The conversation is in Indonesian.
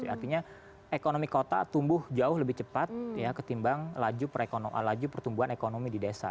artinya ekonomi kota tumbuh jauh lebih cepat ketimbang laju pertumbuhan ekonomi di desa